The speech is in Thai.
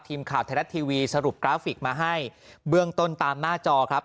ทีมข่าวไทยรัฐทีวีสรุปกราฟิกมาให้เบื้องต้นตามหน้าจอครับ